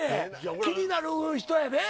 気になる人やで。